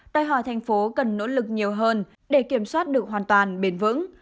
đòi hỏi thành phố cần nỗ lực nhiều hơn để kiểm soát được hoàn toàn bền vững